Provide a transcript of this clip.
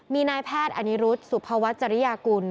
มีนายแพทย์อนิรุธสุภวัชริยากุล